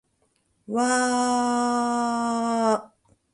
わーーーーーーーー